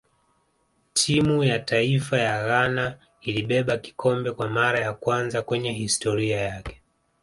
timu ya taifa ya ghana ilibeba kikombe kwa mara ya kwanza kwenye historia yao